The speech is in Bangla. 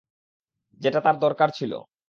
যেটা তার দরকার ছিল।